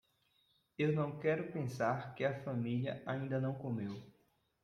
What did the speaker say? Eu não quero pensar que a família ainda não comeu.